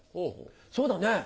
そうだね。